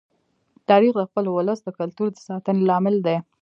تاریخ د خپل ولس د کلتور د ساتنې لامل دی.